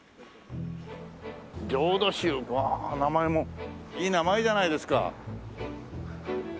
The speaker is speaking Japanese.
「淨土宗」わあ名前もいい名前じゃないですか！